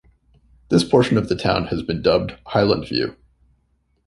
This portion of the town has been dubbed "Highland View".